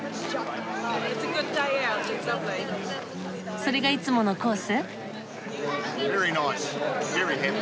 それがいつものコース？